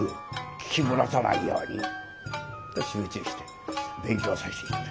聞き漏らさないように集中して勉強さして頂いて。